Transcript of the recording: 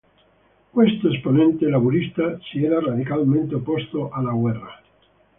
Questo esponente laburista si era radicalmente opposto alla guerra.